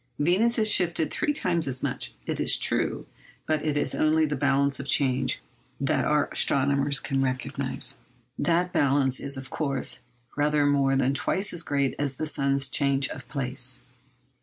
Venus is shifted three times as much, it is true; but it is only the balance of change that our astronomer can recognise. That balance is, of course, rather more than twice as great as the sun's change of place.